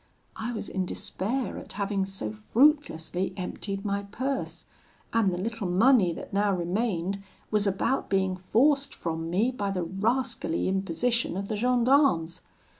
I was in despair at having so fruitlessly emptied my purse, and the little money that now remained was about being forced from me by the rascally imposition of the gendarmes.